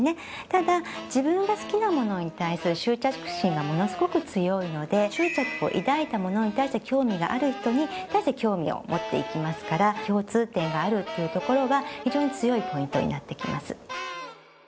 ただ自分が好きなものに対する執着心がものすごく強いので執着を抱いたものに対して興味がある人に対して興味を持っていきますから共通点があるっていうところは非常に強いポイントになってきます。